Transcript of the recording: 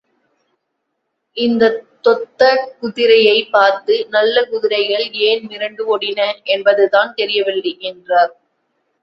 இந்த தொத்தக் குதிரையைப் பார்த்து, நல்ல குதிரைகள் ஏன் மிரண்டு ஓடின—என்பதுதான் தெரியவில்லை—என்றார்.